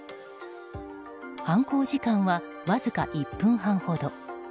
犯行時間はわずか１分半ほど。